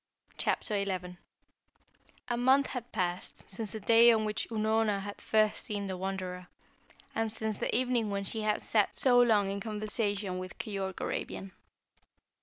CHAPTER XI A month had passed since the day on which Unorna had first seen the Wanderer, and since the evening when she had sat so long in conversation with Keyork Arabian.